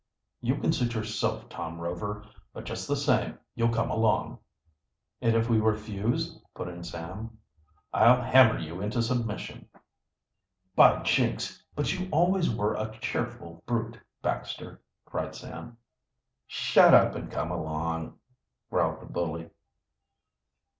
"You can suit yourself, Tom Rover. But, just the same, you'll come along." "And if we refuse?" put in Sam. "I'll hammer you into submission." "By jinks! but you always were a cheerful brute, Baxter," cried Sam. "Shut up and come along," growled the bully.